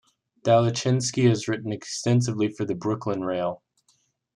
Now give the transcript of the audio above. Dalachinsky has written extensively for the Brooklyn Rail.